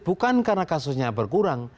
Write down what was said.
bukan karena kasusnya berkurang